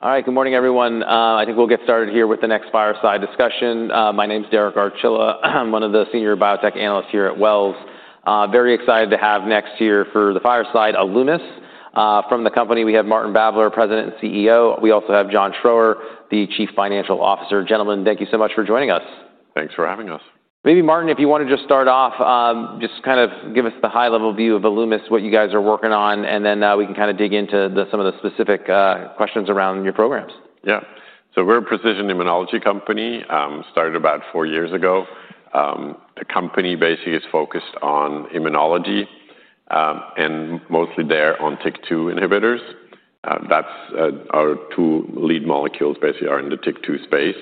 All right, good morning, everyone. I think we'll get started here with the next fireside discussion. My name is Derek Archila. I'm one of the Senior Biotech Analysts here at Wells. Very excited to have next here for the fireside Alumis from the company. We have Martin Babler, President and CEO. We also have John Schroer, the Chief Financial Officer. Gentlemen, thank you so much for joining us. Thanks for having us. Maybe, Martin, if you want to just start off, just kind of give us the high-level view of Alumis, what you guys are working on, and then we can kind of dig into some of the specific questions around your programs. Yeah, so we're a precision immunology company. Started about four years ago. The company basically is focused on immunology, and mostly there on TYK2 inhibitors. Our two lead molecules basically are in the TYK2 space.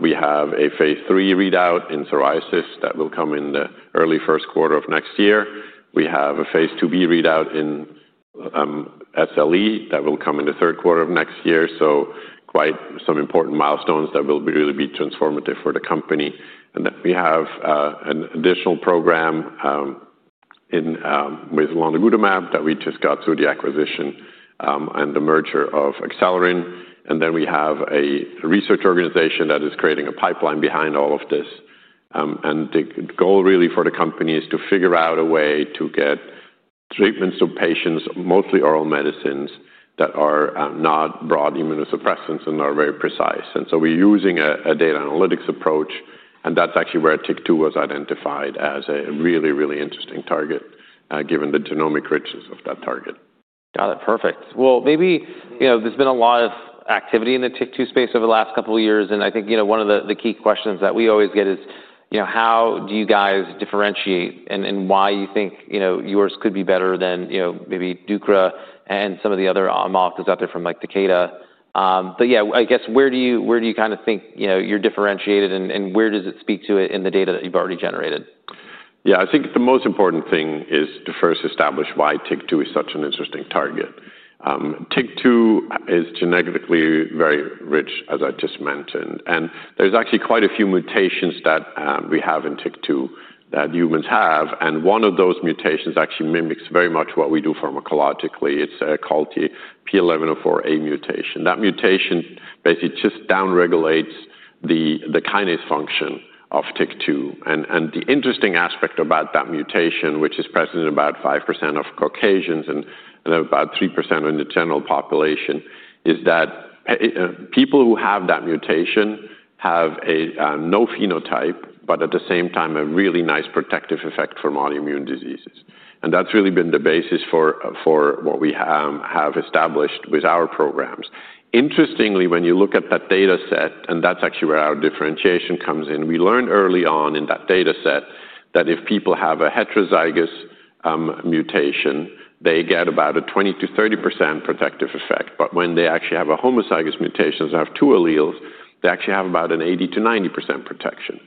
We have a Phase 3 readout in psoriasis that will come in the early first quarter of next year. We have a Phase 2b readout in systemic lupus erythematosus (SLE) that will come in the third quarter of next year. Quite some important milestones that will really be transformative for the company. We have an additional program with lonigutamab that we just got through the acquisition and the merger of Accelerin. We have a research organization that is creating a pipeline behind all of this. The goal really for the company is to figure out a way to get treatments to patients, mostly oral medicines, that are not broad immunosuppressants and are very precise. We're using a data analytics approach. That's actually where TYK2 was identified as a really, really interesting target, given the genomic richness of that target. Got it. Perfect. Maybe there's been a lot of activity in the TYK2 space over the last couple of years. I think one of the key questions that we always get is, how do you guys differentiate and why you think yours could be better than maybe Deucra and some of the other molecules out there from like Takeda? I guess where do you kind of think you're differentiated and where does it speak to it in the data that you've already generated? Yeah, I think the most important thing is to first establish why TYK2 is such an interesting target. TYK2 is genetically very rich, as I just mentioned. There's actually quite a few mutations that we have in TYK2 that humans have. One of those mutations actually mimics very much what we do pharmacologically. It's called the P1104A mutation. That mutation basically just down-regulates the kinase function of TYK2. The interesting aspect about that mutation, which is present in about 5% of Caucasians and about 3% in the general population, is that people who have that mutation have no phenotype, but at the same time, a really nice protective effect for autoimmune diseases. That's really been the basis for what we have established with our programs. Interestingly, when you look at that data set, and that's actually where our differentiation comes in, we learned early on in that data set that if people have a heterozygous mutation, they get about a 20%- 30% protective effect. When they actually have a homozygous mutation, they have two alleles, they actually have about an 80%- 90% protection.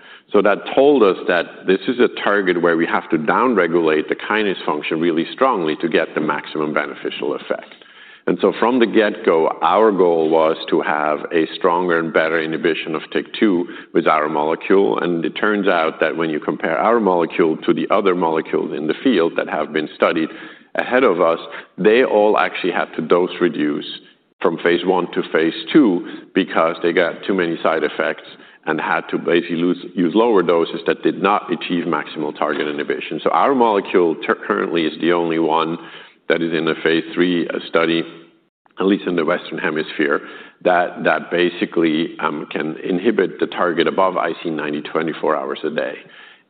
That told us that this is a target where we have to down-regulate the kinase function really strongly to get the maximum beneficial effect. From the get-go, our goal was to have a stronger and better inhibition of TYK2 with our molecule. It turns out that when you compare our molecule to the other molecules in the field that have been studied ahead of us, they all actually had to dose reduce from phase one to phase two because they got too many side effects and had to basically use lower doses that did not achieve maximal target inhibition. Our molecule currently is the only one that is in the phase 3 study, at least in the Western Hemisphere, that basically can inhibit the target above IC90 24 hours a day.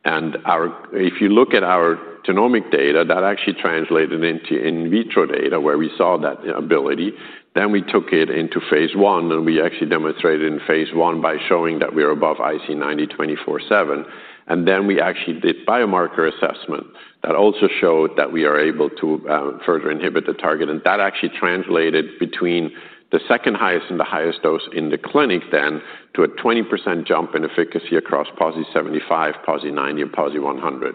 If you look at our genomic data, that actually translated into in vitro data where we saw that ability. We took it into phase one, and we actually demonstrated in phase one by showing that we are above IC90 24/7. We actually did biomarker assessment that also showed that we are able to further inhibit the target. That actually translated between the second highest and the highest dose in the clinic then to a 20% jump in efficacy across PASI-75, PASI-90, and PASI-100.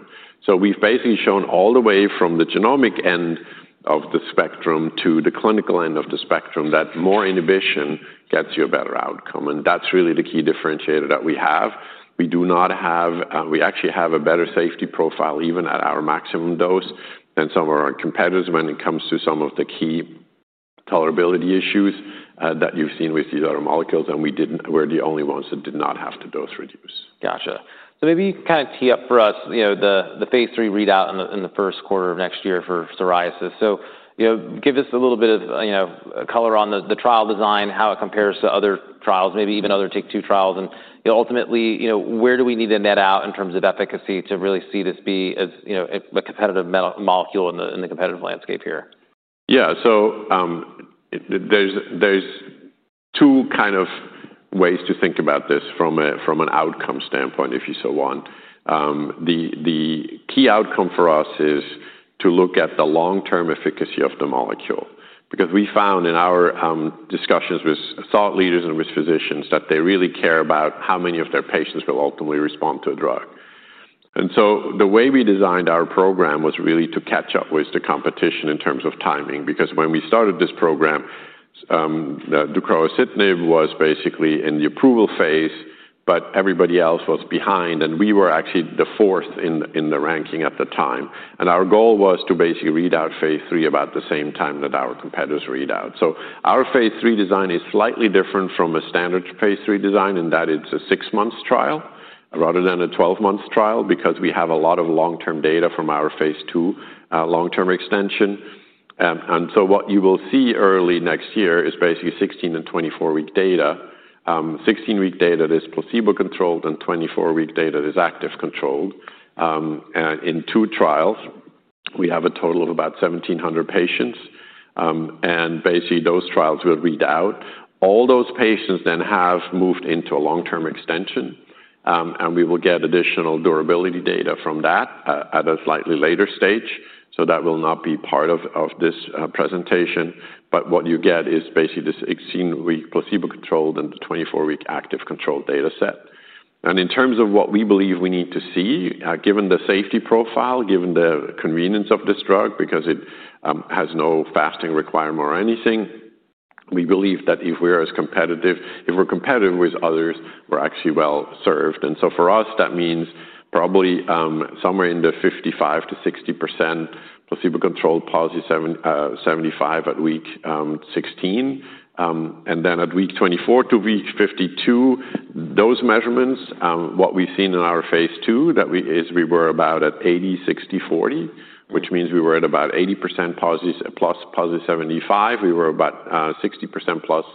We have basically shown all the way from the genomic end of the spectrum to the clinical end of the spectrum that more inhibition gets you a better outcome. That's really the key differentiator that we have. We actually have a better safety profile even at our maximum dose than some of our competitors when it comes to some of the key tolerability issues that you've seen with these other molecules. We didn't, we're the only ones that did not have to dose reduce. Gotcha. Maybe you can kind of tee up for us the Phase 3 readout in the first quarter of next year for psoriasis. Give us a little bit of color on the trial design, how it compares to other trials, maybe even other TYK2 trials. Ultimately, where do we need to net out in terms of efficacy to really see this be a competitive molecule in the competitive landscape here? Yeah, so there's two kind of ways to think about this from an outcome standpoint, if you so want. The key outcome for us is to look at the long-term efficacy of the molecule. Because we found in our discussions with thought leaders and with physicians that they really care about how many of their patients will ultimately respond to a drug. The way we designed our program was really to catch up with the competition in terms of timing. When we started this program, Deucravacitinib was basically in the approval phase, but everybody else was behind. We were actually the fourth in the ranking at the time. Our goal was to basically read out Phase 3 about the same time that our competitors read out. Our Phase 3 design is slightly different from a standard Phase 3 design in that it's a six-month trial rather than a 12-month trial because we have a lot of long-term data from our Phase 2 long-term extension. What you will see early next year is basically 16- and 24-week data. Sixteen-week data that is placebo-controlled and 24-week data that is active-controlled. In two trials, we have a total of about 1,700 patients. Basically, those trials were read out. All those patients then have moved into a long-term extension. We will get additional durability data from that at a slightly later stage. That will not be part of this presentation. What you get is basically this 16-week placebo-controlled and the 24-week active-controlled data set. In terms of what we believe we need to see, given the safety profile, given the convenience of this drug, because it has no fasting requirement or anything, we believe that if we are as competitive, if we're competitive with others, we're actually well served. For us, that means probably somewhere in the 55% 60% placebo-controlled PASI-75 at week 16. At week 24 to week 52, those measurements, what we've seen in our Phase 2 is we were about at 80/60/40, which means we were at about 80% PASI plus PASI-75. We were about 60% plus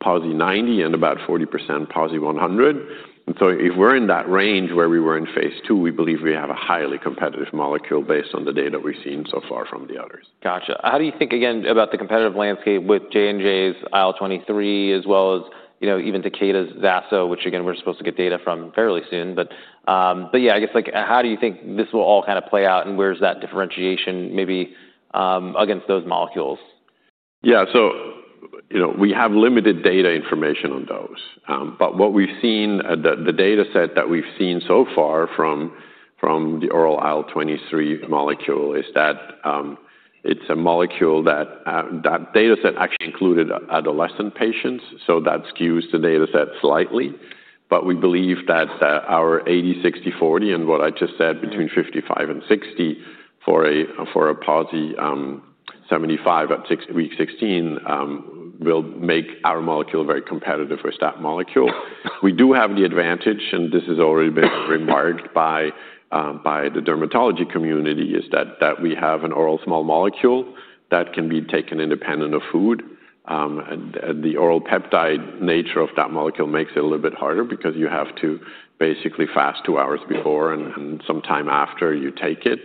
PASI-90 and about 40% PASI-100. If we're in that range where we were in Phase 2, we believe we have a highly competitive molecule based on the data we've seen so far from the others. Gotcha. How do you think, again, about the competitive landscape with J&J's oral IL-23, as well as even Takeda's TYK2, which, again, we're supposed to get data from fairly soon? I guess how do you think this will all kind of play out and where's that differentiation maybe against those molecules? Yeah, we have limited data information on those. What we've seen, the data set that we've seen so far from the oral IL-23 molecule is that it's a molecule that data set actually included adolescent patients, so that skews the data set slightly. We believe that our 80/60/40 and what I just said, between 55% and 60% for a PASI-75 at week 16, will make our molecule very competitive with that molecule. We do have the advantage, and this has already been remarked by the dermatology community, that we have an oral small molecule that can be taken independent of food. The oral peptide nature of that molecule makes it a little bit harder because you have to basically fast two hours before and sometime after you take it.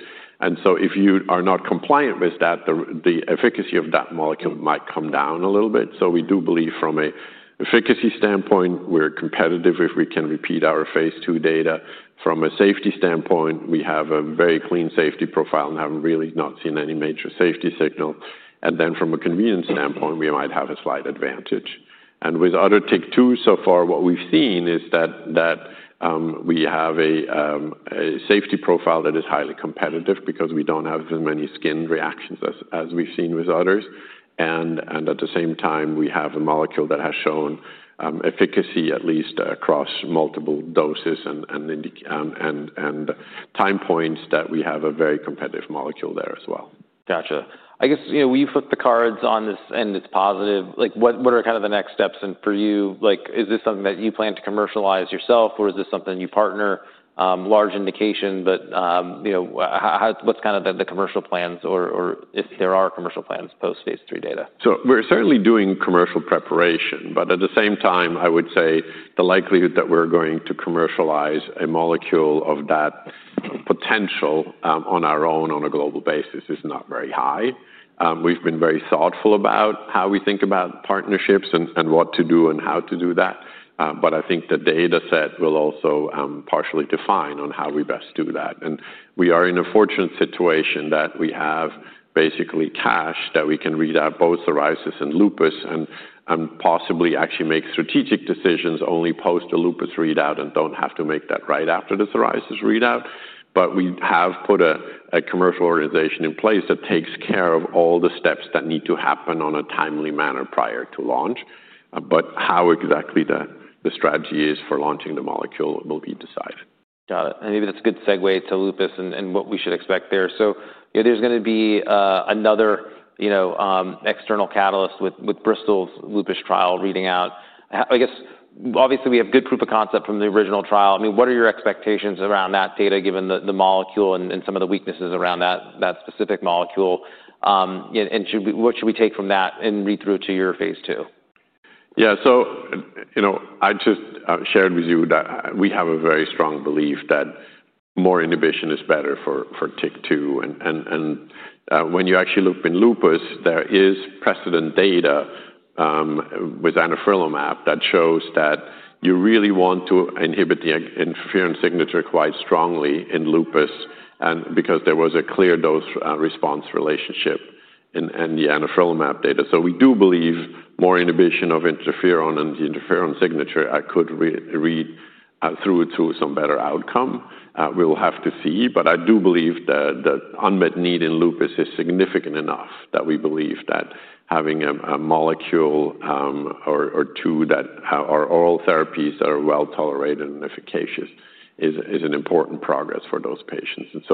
If you are not compliant with that, the efficacy of that molecule might come down a little bit. We do believe from an efficacy standpoint, we're competitive if we can repeat our Phase 2 data. From a safety standpoint, we have a very clean safety profile and have really not seen any major safety signal. From a convenience standpoint, we might have a slight advantage. With other TYK2 so far, what we've seen is that we have a safety profile that is highly competitive because we don't have as many skin reactions as we've seen with others. At the same time, we have a molecule that has shown efficacy at least across multiple doses and time points, so we have a very competitive molecule there as well. Gotcha. I guess we've hooked the cards on this and it's positive. What are kind of the next steps for you? Is this something that you plan to commercialize yourself or is this something you partner large indication? What's kind of the commercial plans or if there are commercial plans post Phase 3 data? We are certainly doing commercial preparation. At the same time, I would say the likelihood that we're going to commercialize a molecule of that potential on our own on a global basis is not very high. We've been very thoughtful about how we think about partnerships and what to do and how to do that. I think the data set will also partially define how we best do that. We are in a fortunate situation that we have basically cash that we can read out both psoriasis and lupus and possibly actually make strategic decisions only post a lupus readout and don't have to make that right after the psoriasis readout. We have put a commercial organization in place that takes care of all the steps that need to happen in a timely manner prior to launch. How exactly the strategy is for launching the molecule will be decided. Got it. Maybe that's a good segue to lupus and what we should expect there. There's going to be another external catalyst with Bristol Myers Squibb's lupus trial reading out. I guess obviously we have a good proof of concept from the original trial. What are your expectations around that data given the molecule and some of the weaknesses around that specific molecule? What should we take from that and read through to your Phase 2? Yeah, so you know I just shared with you that we have a very strong belief that more inhibition is better for TYK2. When you actually look in lupus, there is precedent data with Anifrolumab that shows that you really want to inhibit the interferon signature quite strongly in lupus because there was a clear dose-response relationship in the anifrolumab data. We do believe more inhibition of interferon and the interferon signature could read through to some better outcome. We'll have to see. I do believe that the unmet need in lupus is significant enough that we believe that having a molecule or two that are oral therapies, well tolerated and efficacious, is an important progress for those patients.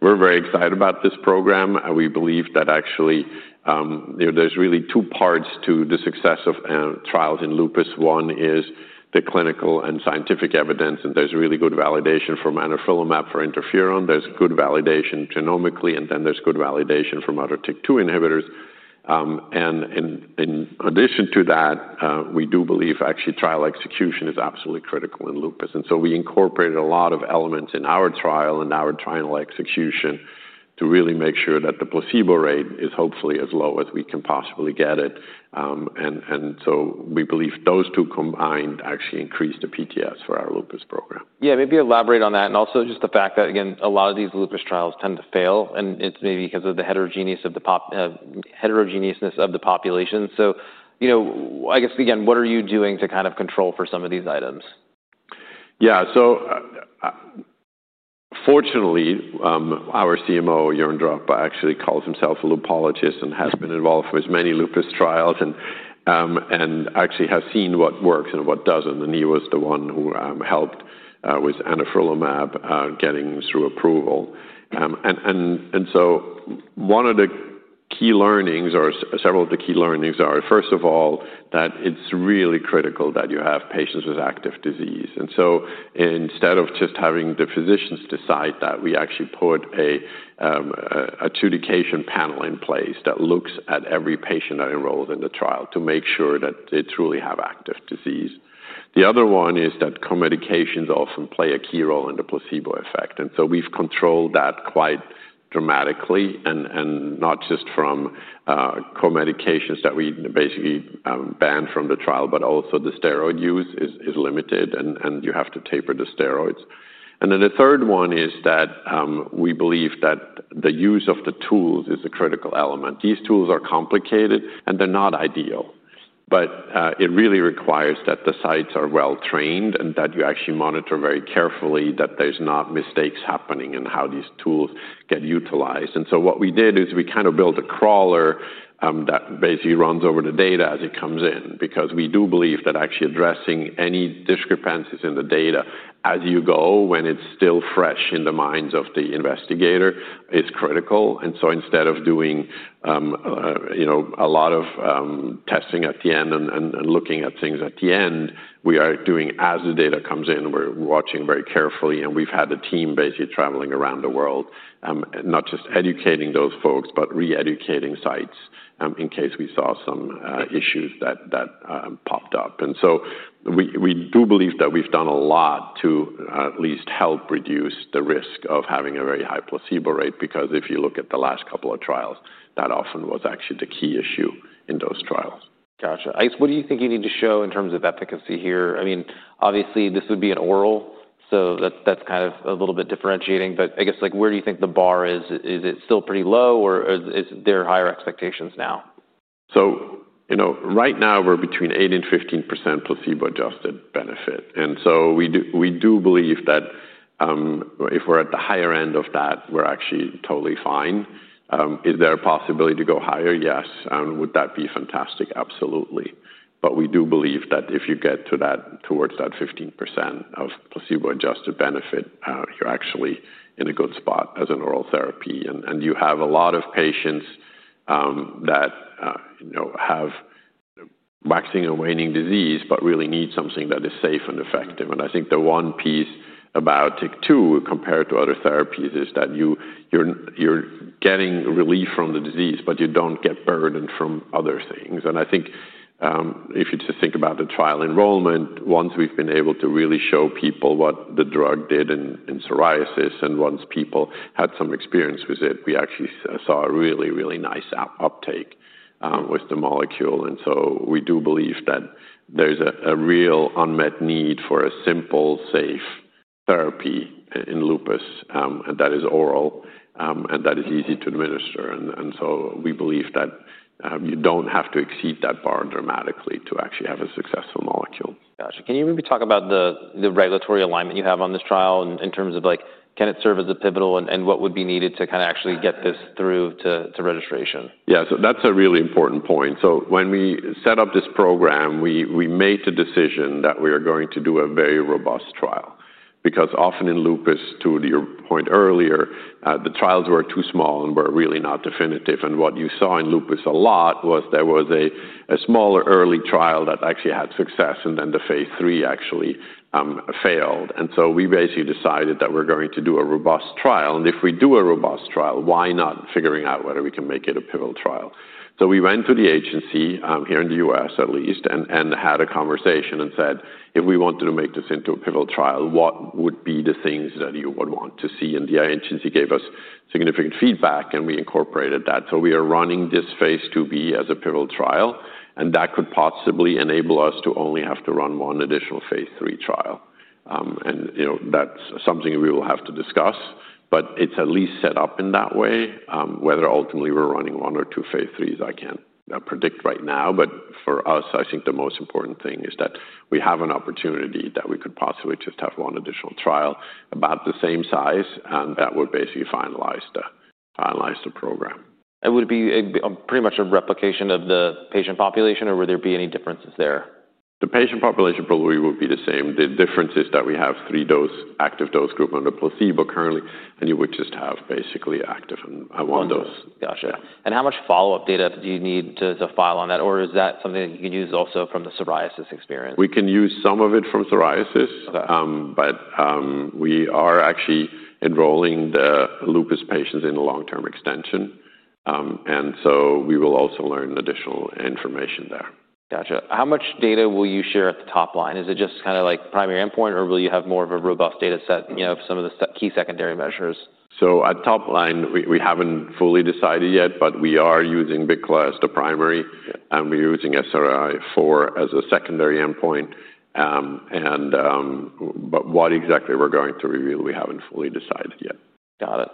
We're very excited about this program. We believe that actually there's really two parts to the success of trials in lupus. One is the clinical and scientific evidence. There's really good validation from anifrolumab for interferon. There's good validation genomically. There's good validation from other TYK2 inhibitors. In addition to that, we do believe actually trial execution is absolutely critical in lupus. We incorporated a lot of elements in our trial and our trial execution to really make sure that the placebo rate is hopefully as low as we can possibly get it. We believe those two combined actually increase the PTS for our lupus program. Maybe elaborate on that. Also, just the fact that, again, a lot of these lupus trials tend to fail. It's maybe because of the heterogeneousness of the population. I guess, again, what are you doing to kind of control for some of these items? Yeah, so fortunately, our CMO Jörn Dröpp, actually calls himself a lupologist and has been involved with many lupus trials and actually has seen what works and what doesn't. He was the one who helped with anifrolumab getting through approval. One of the key learnings, or several of the key learnings, are first of all that it's really critical that you have patients with active disease. Instead of just having the physicians decide that, we actually put an adjudication panel in place that looks at every patient that enrolled in the trial to make sure that they truly have active disease. The other one is that co-medications often play a key role in the placebo effect. We've controlled that quite dramatically, not just from co-medications that we basically banned from the trial, but also the steroid use is limited, and you have to taper the steroids. The third one is that we believe that the use of the tools is a critical element. These tools are complicated and they're not ideal. It really requires that the sites are well trained and that you actually monitor very carefully that there's not mistakes happening in how these tools get utilized. What we did is we kind of built a crawler that basically runs over the data as it comes in. We do believe that actually addressing any discrepancies in the data as you go when it's still fresh in the minds of the investigator is critical. Instead of doing a lot of testing at the end and looking at things at the end, we are doing as the data comes in, we're watching very carefully. We've had a team basically traveling around the world, not just educating those folks, but re-educating sites in case we saw some issues that popped up. We do believe that we've done a lot to at least help reduce the risk of having a very high placebo rate, because if you look at the last couple of trials, that often was actually the key issue in those trials. Gotcha. I guess what do you think you need to show in terms of efficacy here? I mean, obviously, this would be an oral. That's kind of a little bit differentiating. Where do you think the bar is? Is it still pretty low or is there higher expectations now? Right now we're between 8% and 15% placebo-adjusted benefit. We do believe that if we're at the higher end of that, we're actually totally fine. Is there a possibility to go higher? Yes. Would that be fantastic? Absolutely. We do believe that if you get to that, towards that 15% of placebo-adjusted benefit, you're actually in a good spot as an oral therapy. You have a lot of patients that have waxing and waning disease, but really need something that is safe and effective. The one piece about TYK2 compared to other therapies is that you're getting relief from the disease, but you don't get burdened from other things. If you just think about the trial enrollment, once we've been able to really show people what the drug did in psoriasis, and once people had some experience with it, we actually saw a really, really nice uptake with the molecule. We do believe that there's a real unmet need for a simple, safe therapy in lupus that is oral and that is easy to administer. We believe that you don't have to exceed that bar dramatically to actually have a successful molecule. Gotcha. Can you maybe talk about the regulatory alignment you have on this trial in terms of can it serve as a pivotal, and what would be needed to kind of actually get this through to registration? Yeah, that's a really important point. When we set up this program, we made the decision that we are going to do a very robust trial. Often in lupus, to your point earlier, the trials were too small and were really not definitive. What you saw in lupus a lot was there was a smaller early trial that actually had success and then the Phase 3 actually failed. We basically decided that we're going to do a robust trial. If we do a robust trial, why not figure out whether we can make it a pivotal trial? We went to the agency here in the U.S. at least and had a conversation and said, if we wanted to make this into a pivotal trial, what would be the things that you would want to see? The agency gave us significant feedback and we incorporated that. We are running this Phase 2b as a pivotal trial. That could possibly enable us to only have to run one additional Phase 3 trial. That's something we will have to discuss. It's at least set up in that way. Whether ultimately we're running one or two Phase 3s, I can't predict right now. For us, I think the most important thing is that we have an opportunity that we could possibly just have one additional trial about the same size. That would basically finalize the program. Would it be pretty much a replication of the patient population, or would there be any differences there? The patient population probably would be the same. The difference is that we have three active dose groups under placebo currently, and you would just have basically active in one dose. Gotcha. How much follow-up data do you need to file on that? Is that something that you can use also from the psoriasis experience? We can use some of it from psoriasis. We are actually enrolling the lupus patients in a long-term extension, so we will also learn additional information there. Gotcha. How much data will you share at the top line? Is it just kind of like the primary endpoint, or will you have more of a robust data set of some of the key secondary measures? At top line, we haven't fully decided yet, but we are using BIC class as the primary. We're using SRI-4 as a secondary endpoint. What exactly we're going to reveal, we haven't fully decided yet. Got it.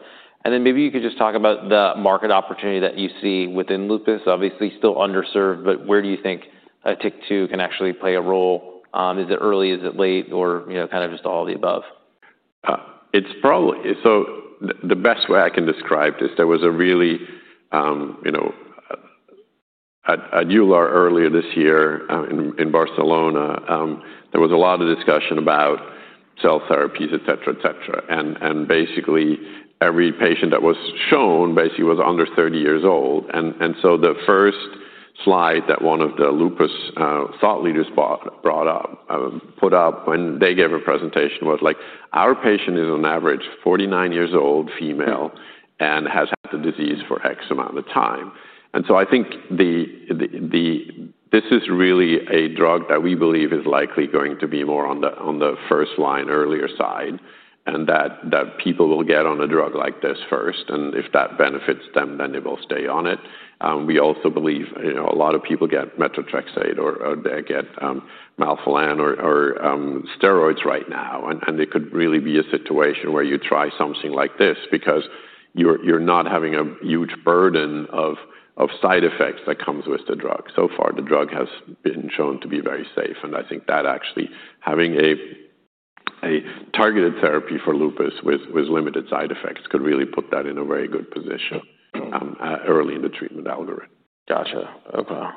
Maybe you could just talk about the market opportunity that you see within lupus. Obviously, still underserved, but where do you think a TYK2 can actually play a role? Is it early? Is it late? Or kind of just all the above? The best way I can describe this, there was a really interesting session at EULAR earlier this year in Barcelona. There was a lot of discussion about cell therapies, et cetera, et cetera. Basically, every patient that was shown was under 30 years old. The first slide that one of the lupus thought leaders put up when they gave a presentation was like, our patient is on average 49 years old, female, and has had the disease for X amount of time. I think this is really a drug that we believe is likely going to be more on the first line, earlier side. People will get on a drug like this first, and if that benefits them, then they will stay on it. We also believe a lot of people get methotrexate or they get melphalan or steroids right now. It could really be a situation where you try something like this because you're not having a huge burden of side effects that comes with the drug. So far, the drug has been shown to be very safe. I think that actually having a targeted therapy for lupus with limited side effects could really put that in a very good position early in the treatment algorithm. Gotcha. I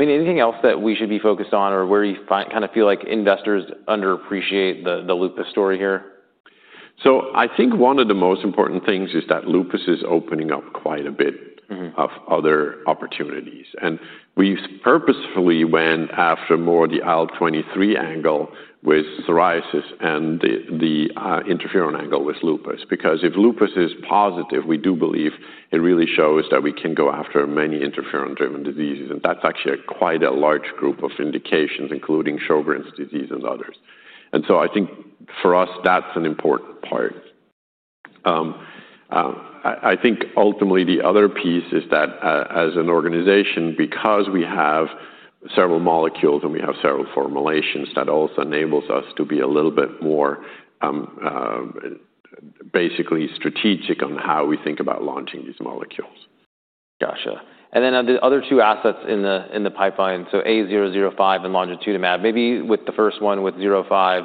mean, anything else that we should be focused on or where you kind of feel like investors underappreciate the lupus story here? I think one of the most important things is that lupus is opening up quite a bit of other opportunities. We've purposefully went after more of the IL-23 angle with psoriasis and the interferon angle with lupus. If lupus is positive, we do believe it really shows that we can go after many interferon-driven diseases. That's actually quite a large group of indications, including Sjogren's disease and others. I think for us, that's an important part. Ultimately, the other piece is that as an organization, because we have several molecules and we have several formulations, that also enables us to be a little bit more basically strategic on how we think about launching these molecules. Gotcha. The other two assets in the pipeline, so A-005 and lonigutamab, maybe with the first one with 005,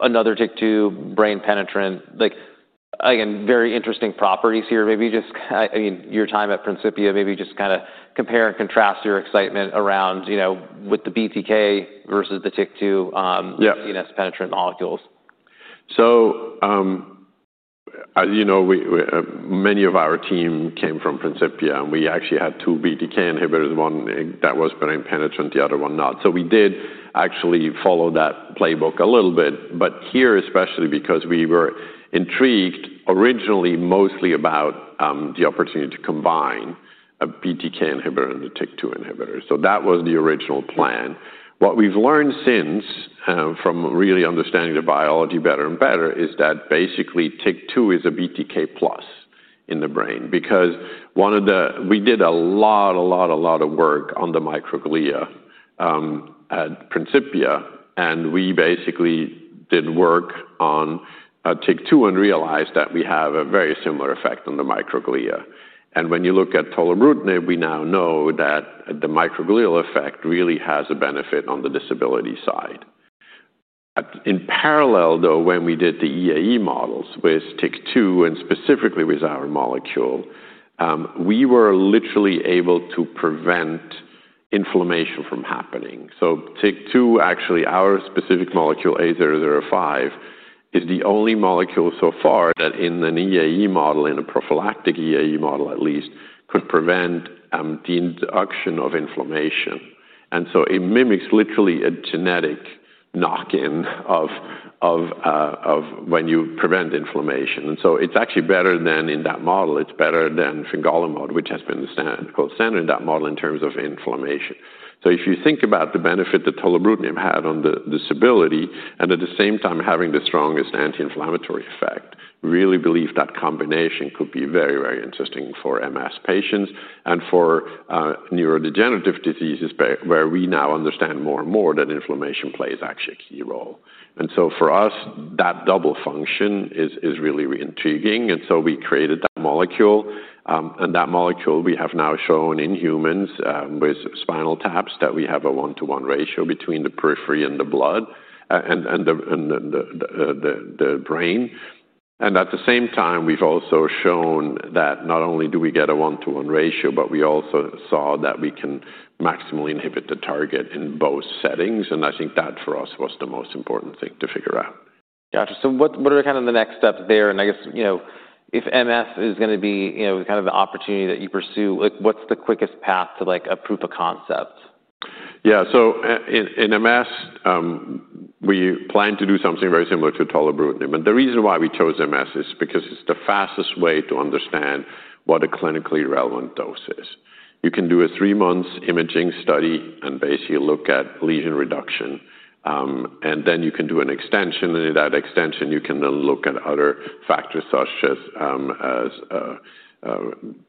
another TYK2 brain penetrant, like again, very interesting properties here. Maybe just, I mean, your time at Principia, maybe just kind of compare and contrast your excitement around with the BTK versus the TYK2 penetrant molecules. Many of our team came from Principia. We actually had two BTK inhibitors, one that was brain penetrant, the other one not. We did follow that playbook a little bit, especially because we were intrigued originally mostly about the opportunity to combine a BTK inhibitor and a TYK2 inhibitor. That was the original plan. What we've learned since from really understanding the biology better and better is that basically TYK2 is a BTK plus in the brain. We did a lot of work on the microglia at Principia. We did work on TYK2 and realized that we have a very similar effect on the microglia. When you look at tolebrutinib, we now know that the microglial effect really has a benefit on the disability side. In parallel, when we did the EAE models with TYK2 and specifically with our molecule, we were literally able to prevent inflammation from happening. TYK2, actually our specific molecule, A-005, is the only molecule so far that in an EAE model, in a prophylactic EAE model at least, could prevent the induction of inflammation. It mimics literally a genetic knock-in of when you prevent inflammation. It's actually better than in that model. It's better than fingolimod, which has been the standard in that model in terms of inflammation. If you think about the benefit that tolebrutinib had on the disability, and at the same time having the strongest anti-inflammatory effect, we really believe that combination could be very, very interesting for MS patients and for neurodegenerative diseases where we now understand more and more that inflammation plays a key role. For us, that double function is really intriguing. We created that molecule. That molecule we have now shown in humans with spinal taps that we have a one-to-one ratio between the periphery and the blood and the brain. At the same time, we've also shown that not only do we get a one-to-one ratio, but we also saw that we can maximally inhibit the target in both settings. I think that for us was the most important thing to figure out. Gotcha. What are the kind of the next steps there? I guess if MS is going to be kind of the opportunity that you pursue, what's the quickest path to like a proof of concept? Yeah, so in MS, we plan to do something very similar to tolerectinib. The reason why we chose MS is because it's the fastest way to understand what a clinically relevant dose is. You can do a three-month imaging study and basically look at lesion reduction. You can do an extension, and in that extension, you can then look at other factors such as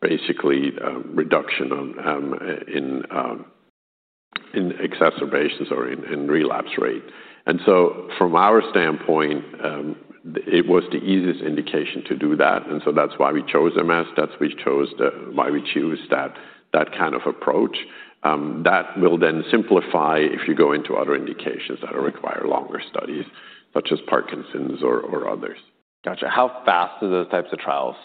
basically reduction in exacerbations or in relapse rate. From our standpoint, it was the easiest indication to do that, and that's why we chose MS. That's why we chose that kind of approach. That will then simplify if you go into other indications that require longer studies such as Parkinson's or others. Gotcha. How fast are those types of trials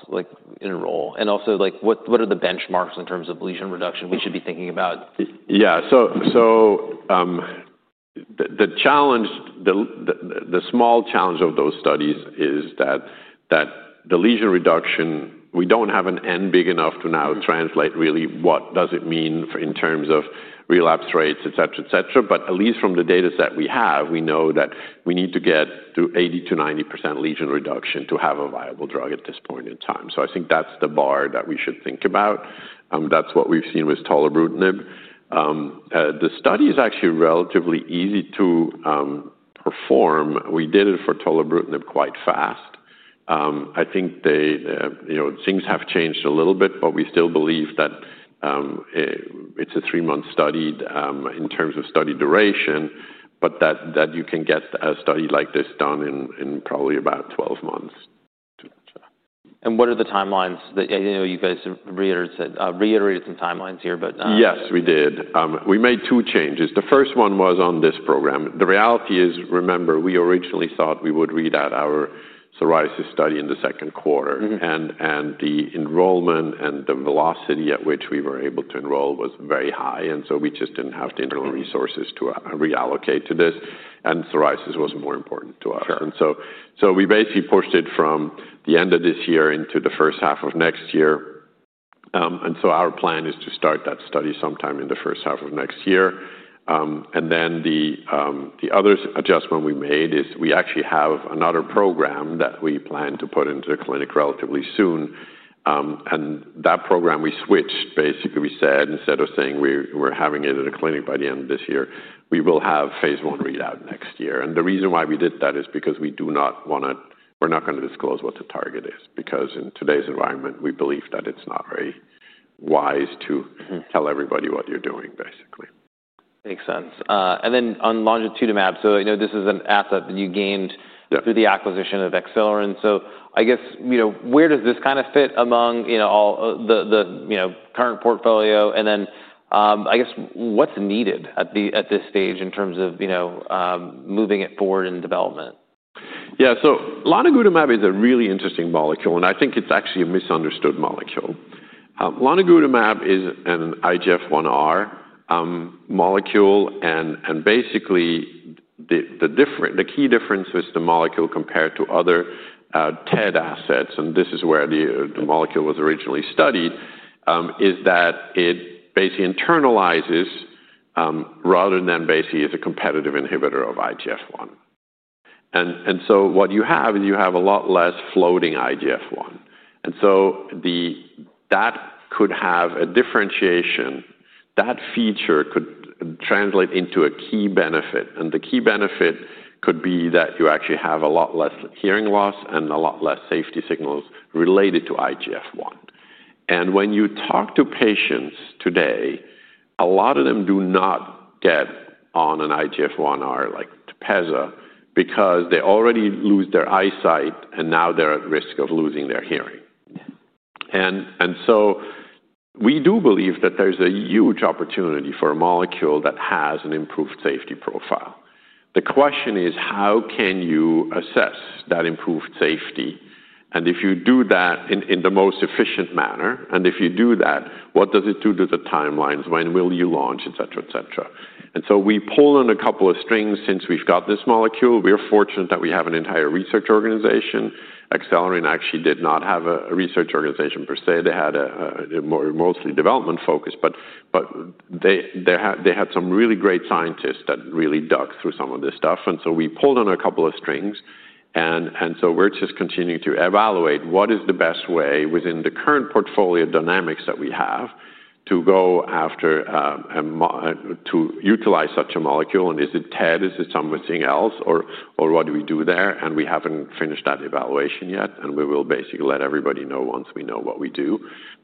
enrolled? Also, what are the benchmarks in terms of lesion reduction we should be thinking about? Yeah, the small challenge of those studies is that the lesion reduction, we don't have an N big enough to now translate really what does it mean in terms of relapse rates, et cetera, et cetera. At least from the data set we have, we know that we need to get to 80%- 90% lesion reduction to have a viable drug at this point in time. I think that's the bar that we should think about. That's what we've seen with tolerant nib. The study is actually relatively easy to perform. We did it for tolerant nib quite fast. I think things have changed a little bit, but we still believe that it's a three-month study in terms of study duration, but that you can get a study like this done in probably about 12 months. What are the timelines? You guys reiterated some timelines here, but. Yes, we did. We made two changes. The first one was on this program. The reality is, remember, we originally thought we would read out our psoriasis study in the second quarter. The enrollment and the velocity at which we were able to enroll was very high. We just did not have the internal resources to reallocate to this. Psoriasis was more important to us, so we basically pushed it from the end of this year into the first half of next year. Our plan is to start that study sometime in the first half of next year. The other adjustment we made is we actually have another program that we plan to put into the clinic relatively soon. That program we switched basically, we said instead of saying we're having it in a clinic by the end of this year, we will have phase one readout next year. The reason why we did that is because we do not want to, we're not going to disclose what the target is. In today's environment, we believe that it's not very wise to tell everybody what you're doing, basically. Makes sense. On, I know this is an asset that you gained through the acquisition of Accelerin. Where does this kind of fit among all the current portfolio? What's needed at this stage in terms of moving it forward in development? Yeah, so lonigutamab is a really interesting molecule. I think it's actually a misunderstood molecule. Lonigutamab is an IGF-1R molecule. Basically, the key difference is the molecule compared to other TED assets, and this is where the molecule was originally studied, is that it internalizes rather than is a competitive inhibitor of IGF-1. What you have, and you have a lot less floating IGF-1. That could have a differentiation. That feature could translate into a key benefit. The key benefit could be that you actually have a lot less hearing loss and a lot less safety signals related to IGF-1. When you talk to patients today, a lot of them do not get on an IGF-1R like Tepezza because they already lose their eyesight and now they're at risk of losing their hearing. We do believe that there's a huge opportunity for a molecule that has an improved safety profile. The question is, how can you assess that improved safety? If you do that in the most efficient manner, and if you do that, what does it do to the timelines? When will you launch, et cetera, et cetera? We pull on a couple of strings since we've got this molecule. We're fortunate that we have an entire research organization. Accelerin actually did not have a research organization per se. They had a mostly development focus, but they had some really great scientists that really dug through some of this stuff. We pulled on a couple of strings. We're just continuing to evaluate what is the best way within the current portfolio dynamics that we have to go after to utilize such a molecule. Is it TED? Is it something else? What do we do there? We haven't finished that evaluation yet. We will let everybody know once we know what we do.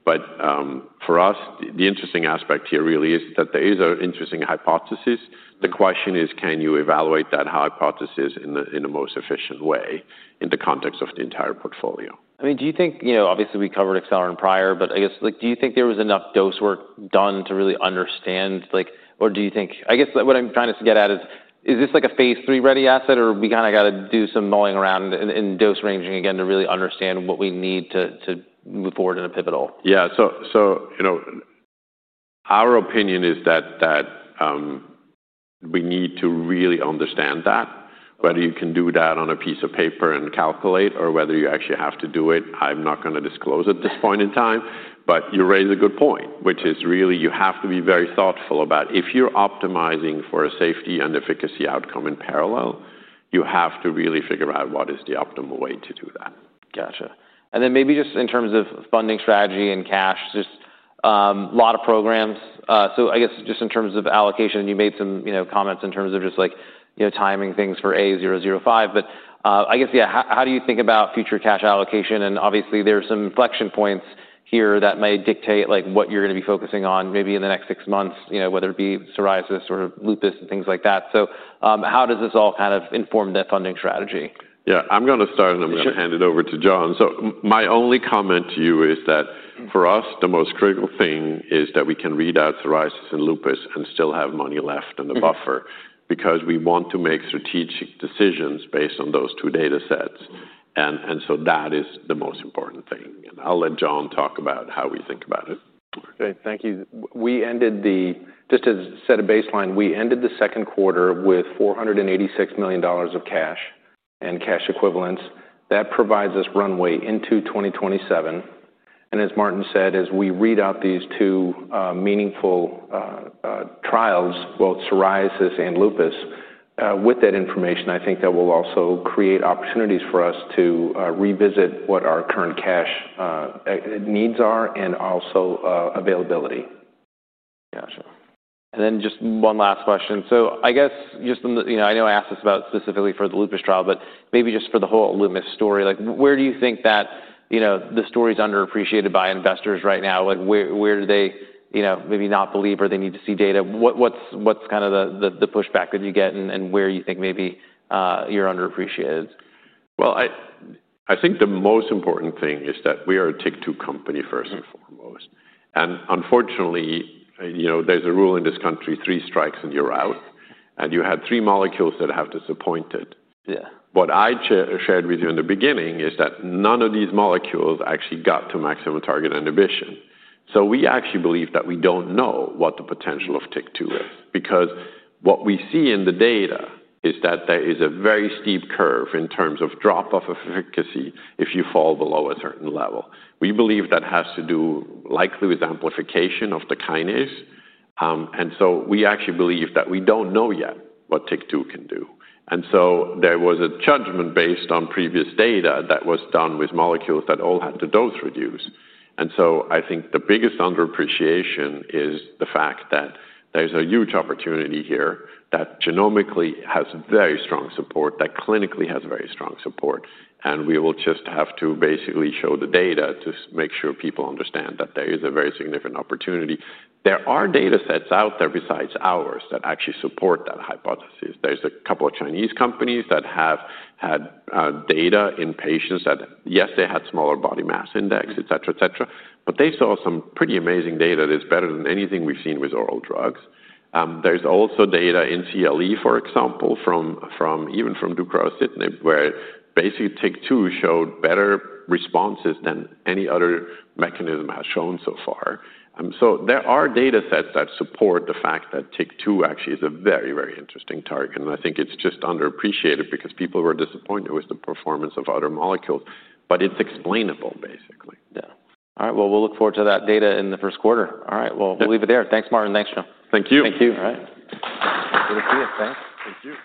For us, the interesting aspect here really is that there is an interesting hypothesis. The question is, can you evaluate that hypothesis in the most efficient way in the context of the entire portfolio? Do you think, obviously, we covered Accelerin prior, but do you think there was enough dose work done to really understand? Do you think what I'm trying to get at is, is this like a Phase 3 ready asset, or do we have to do some mulling around in dose ranging again to really understand what we need to move forward in a pivotal? Our opinion is that we need to really understand that. Whether you can do that on a piece of paper and calculate, or whether you actually have to do it, I'm not going to disclose at this point in time. You raise a good point, which is really you have to be very thoughtful about if you're optimizing for a safety and efficacy outcome in parallel, you have to really figure out what is the optimal way to do that. Gotcha. Maybe just in terms of funding strategy and cash, just a lot of programs. I guess just in terms of allocation, you made some comments in terms of just like timing things for A-005. I guess, yeah, how do you think about future cash allocation? Obviously, there are some inflection points here that might dictate what you're going to be focusing on maybe in the next six months, whether it be psoriasis or lupus and things like that. How does this all kind of inform the funding strategy? Yeah, I'm going to start and I'm going to hand it over to John. My only comment to you is that for us, the most critical thing is that we can read out psoriasis and lupus and still have money left in the buffer. We want to make strategic decisions based on those two data sets. That is the most important thing. I'll let John talk about how we think about it. Thank you. We ended the, just to set a baseline, we ended the second quarter with $486 million of cash and cash equivalents. That provides us runway into 2027. As Martin said, as we read out these two meaningful trials, both psoriasis and lupus, with that information, I think that will also create opportunities for us to revisit what our current cash needs are and also availability. Gotcha. Just one last question. I know I asked this specifically for the lupus trial, but maybe for the whole Alumis story, where do you think that the story is underappreciated by investors right now? Where do they maybe not believe or they need to see data? What's the pushback that you get and where you think maybe you're underappreciated? I think the most important thing is that we are a TYK2 company first and foremost. Unfortunately, you know, there's a rule in this country, three strikes and you're out. You have three molecules that have disappointed. What I shared with you in the beginning is that none of these molecules actually got to maximum target inhibition. We actually believe that we don't know what the potential of TYK2 is. Because what we see in the data is that there is a very steep curve in terms of drop-off efficacy if you fall below a certain level. We believe that has to do likely with amplification of the kinase. We actually believe that we don't know yet what TYK2 can do. There was a judgment based on previous data that was done with molecules that all had the dose reduced. I think the biggest underappreciation is the fact that there's a huge opportunity here that genomically has very strong support, that clinically has very strong support. We will just have to basically show the data to make sure people understand that there is a very significant opportunity. There are data sets out there besides ours that actually support that hypothesis. There's a couple of Chinese companies that have had data in patients that, yes, they had smaller body mass index, et cetera, et cetera. They saw some pretty amazing data that's better than anything we've seen with oral drugs. There's also data in CLE, for example, from even from Deucravacitinib, where basically TYK2 showed better responses than any other mechanism has shown so far. There are data sets that support the fact that TYK2 actually is a very, very interesting target. I think it's just underappreciated because people were disappointed with the performance of other molecules. It's explainable, basically. All right, we'll look forward to that data in the first quarter. All right, we'll leave it there. Thanks, Martin. Thanks, John. Thank you. Thank you. All right. Good to see you, guys. Thank you.